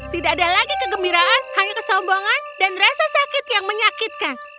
tidak ada lagi kegembiraan hanya kesombongan dan rasa sakit yang menyakitkan